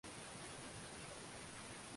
ya Altai Mashariki mwa nchi zao waliishi